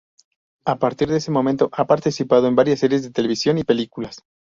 A partir de ese momento, ha participado en varias series de televisión y películas.